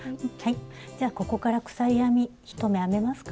じゃあここから鎖編み１目編めますか？